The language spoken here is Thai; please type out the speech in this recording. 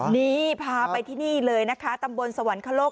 นี่พาไปที่นี่เลยนะคะตำบลสวรรคโลก